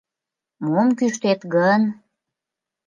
Мом кӱштет гын?»